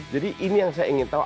jadi ini yang saya ingin tahu